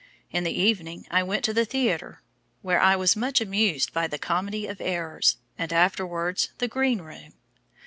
In the evening I went to the theatre where I was much amused by 'The Comedy of Errors,' and afterwards, 'The Green Room.'